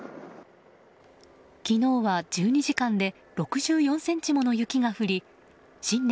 昨日は、１２時間で６４ｃｍもの雪が降り新年